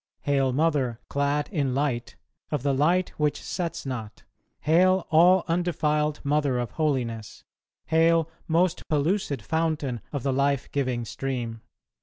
.. Hail, Mother, clad in light, of the light which sets not; hail all undefiled mother of holiness; hail most pellucid fountain of the life giving stream!"